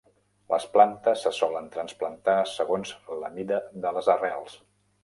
Les plantes se solen trasplantar segons la mida de les arrels.